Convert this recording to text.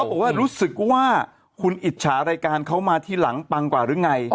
บอกว่ารู้สึกว่าคุณอิจฉารายการเขามาที่หลังปังกว่าหรือไง